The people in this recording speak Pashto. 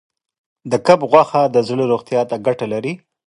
د کب غوښه د زړه روغتیا ته ګټه لري.